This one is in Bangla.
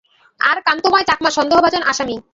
আর কান্তময় চাকমা সন্দেহভাজন আসামি।